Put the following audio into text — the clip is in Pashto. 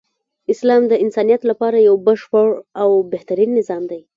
اسلام د انسانیت لپاره یو بشپړ او بهترین نظام دی .